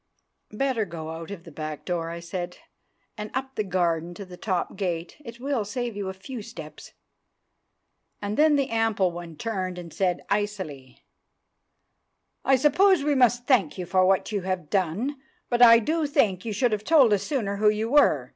"Better go out of the back door," I said, "and up the garden to the top gate; it will save you a few steps." And then the ample one turned and said icily, "I suppose we must thank you for what you have done; but I do think you should have told us sooner who you were."